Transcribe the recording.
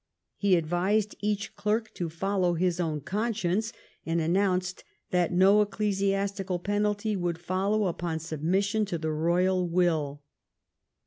He advised each clerk to follow his own conscience, and announced that no ecclesiastical penalty would follow upon submission to the royal will.